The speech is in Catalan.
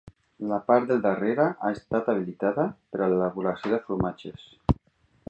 La part del darrere ha estat habilitada per a l'elaboració de formatges.